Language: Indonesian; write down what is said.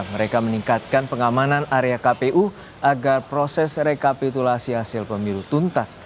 mereka meningkatkan pengamanan area kpu agar proses rekapitulasi hasil pemilu tuntas